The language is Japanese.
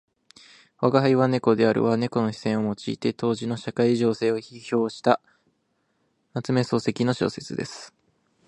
「吾輩は猫である」は猫の視線を用いて当時の社会情勢を批評した夏目漱石の小説です。